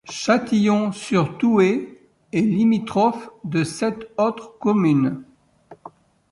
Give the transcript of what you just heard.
Châtillon-sur-Thouet est limitrophe de sept autres communes.